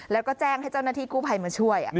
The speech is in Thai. แล้วก็แจ้งให้เจ้าหน้าที่กู้ภัยมาช่วย